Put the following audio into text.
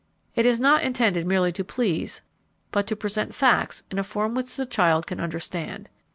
It is not intended merely to please but to present facts in a form which the child can understand.